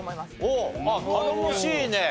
おお頼もしいね。